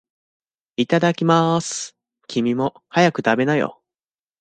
いただきまーす。君も、早く食べなよ。